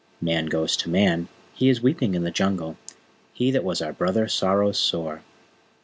Man goes to Man! He is weeping in the Jungle: He that was our Brother sorrows sore!